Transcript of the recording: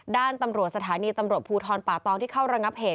ด้านตำรวจสถานีตำรวจภูทรป่าตองที่เข้าระงับเหตุ